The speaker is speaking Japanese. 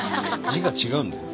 字が違うんだよ。